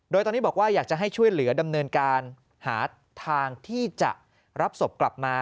โดยตอนนี้บอกว่าอยากจะให้ช่วยเหลือดำเนินการหาทางที่จะรับศพกลับมา